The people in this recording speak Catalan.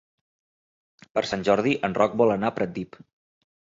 Per Sant Jordi en Roc vol anar a Pratdip.